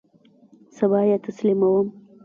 سبا یی تسلیموم